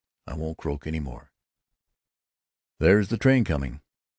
I won't croak any more." "There's the train coming."